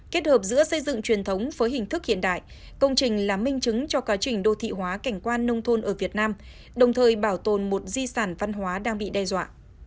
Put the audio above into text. kết hợp giữa xây dựng truyền thống với hình thức hiện đại công trình là minh chứng cho quá trình đô thị hóa cảnh quan nông thôn ở việt nam đồng thời bảo tồn một di sản văn hóa đang bị đe dọa